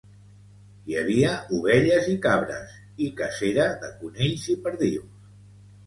Hi havia ovelles i cabres, i cacera, de conills i perdius.